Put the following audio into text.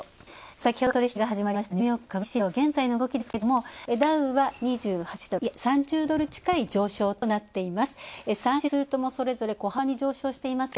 先ほど取引が始まりました、ニューヨーク株式市場、現在の動きですが、ダウは２８ドル、３０ドル近い上昇となっています。